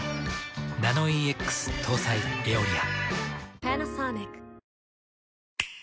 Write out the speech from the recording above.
ナノイーＸ搭載「エオリア」。